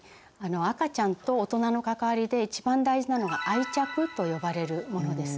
赤ちゃんと大人の関わりで一番大事なのが「愛着」と呼ばれるものです。